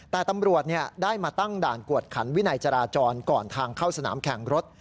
แต่ตำรวจได้มาตั้งด่านกวดขันวินัยจราจรก่อนทางเข้าสนามแข่งรถ